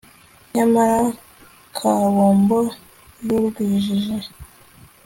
nyamara kabombo y'urwijiji